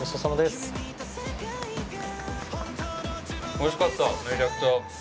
おいしかった、めちゃくちゃ。